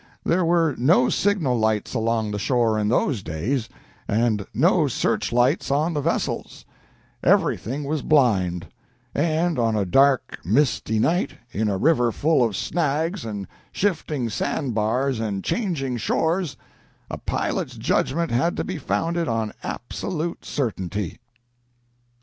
There were no signal lights along the shore in those days, and no search lights on the vessels; everything was blind; and on a dark, misty night, in a river full of snags and shifting sandbars and changing shores, a pilot's judgment had to be founded on absolute certainty."